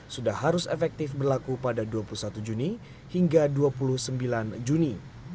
sudah harus efektif berlaku pada dua puluh satu juni hingga dua puluh sembilan juni